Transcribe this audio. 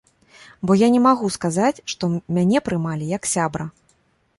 Бо я не магу сказаць, што мяне прымалі як сябра.